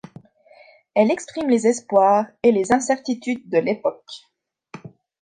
Elle exprime les espoirs et les incertitudes de l'époque.